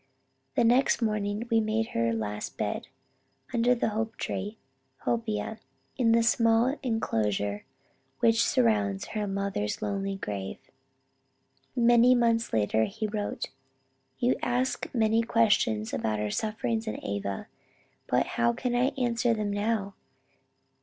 The next morning we made her last bed, under the hope tree, (Hopia,) in the small enclosure which surrounds her mother's lonely grave." Many months later he wrote; "You ask many questions about our sufferings at Ava, but how can I answer them now?